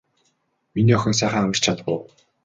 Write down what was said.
Миний охин сайхан амарч чадав уу.